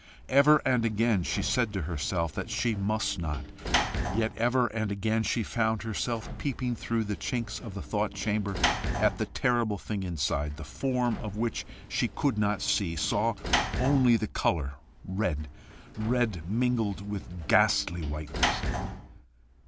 Ever and again she said to herself that she must not, yet ever and again she found herself peeping through the chinks of the thought chamber at the terrible thing inside the form of which she could not see saw only the colour red, red mingled with ghastly whiteness.